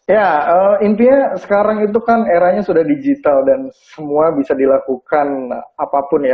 ya intinya sekarang itu kan eranya sudah digital dan semua bisa dilakukan apapun ya